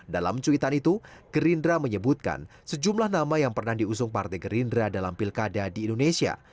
dalam cuitan itu gerindra menyebutkan sejumlah nama yang pernah diusung partai gerindra dalam pilkada di indonesia